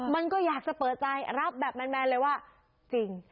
มันก็อยากจะเปิดใจรับแบบแมนเลยว่าจริง